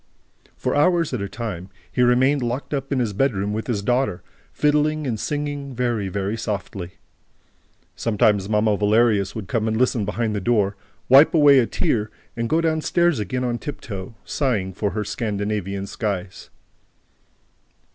For hours at a time, he remained locked up in his bedroom with his daughter, fiddling and singing, very, very softly. Sometimes Mamma Valerius would come and listen behind the door, wipe away a tear and go down stairs again on tiptoe, sighing for her Scandinavian skies.